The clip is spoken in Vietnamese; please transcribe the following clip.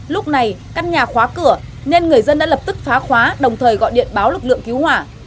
lúc này căn nhà khóa cửa nên người dân đã lập tức phá khóa đồng thời gọi điện báo lực lượng cứu hỏa